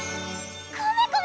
コメコメ！